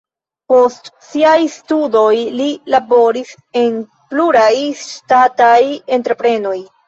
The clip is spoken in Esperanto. Post siaj studoj li laboris en pluraj ŝtataj entreprenoj.